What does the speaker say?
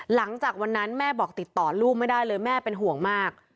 หลังจากวันนั้นแม่บอกติดต่อลูกไม่ได้เลยแม่เป็นห่วงมาก